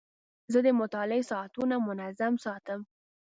زه د مطالعې ساعتونه منظم ساتم.